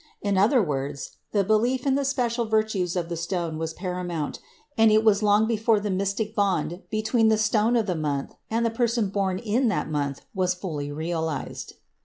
In other words, the belief in the special virtues of the stone was paramount, and it was long before the mystic bond between the stone of the month and the person born in that month was fully realized.